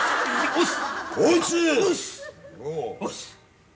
押忍。